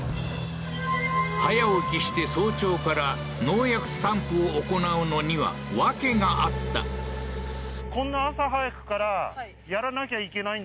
早起きして早朝から農薬散布を行うのには訳があったああー